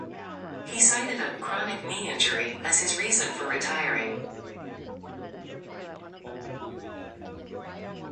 He cited a "chronic knee injury" as his reason for retiring.